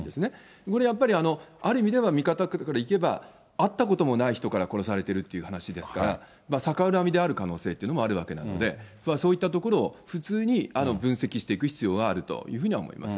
そこでやっぱりある意味では、見方からいけば、会ったこともない人から殺されてるって話ですから、逆恨みである可能性というのもあるわけなので、そういったところを普通に分析していく必要はあるというふうには思います。